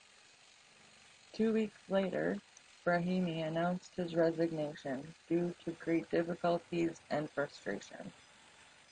Two weeks later, Brahimi announced his resignation, due to great difficulties and frustration.